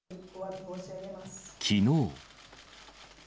きのう。